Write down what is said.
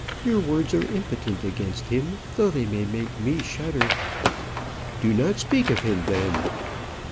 Your words are impotent against him, though they may make me shudder." "Do not speak of him, then."